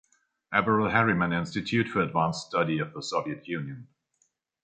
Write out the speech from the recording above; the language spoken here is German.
Averell Harriman Institute for Advanced Study of the Soviet Union».